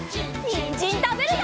にんじんたべるよ！